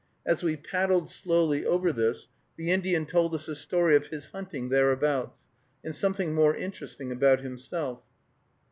As we paddled slowly over this, the Indian told us a story of his hunting thereabouts, and something more interesting about himself.